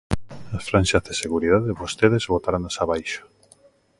As franxas de seguridade vostedes botáronas abaixo.